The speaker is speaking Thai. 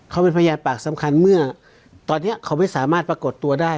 เขาเป็นพยานปากสำคัญเมื่อตอนนี้เขาไม่สามารถปรากฏตัวได้